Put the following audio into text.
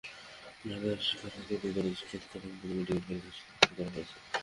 মারধরের শিকার আহত দুই শিক্ষার্থীকে রংপুর মেডিকেল কলেজ হাসপাতালে ভর্তি করা হয়েছে।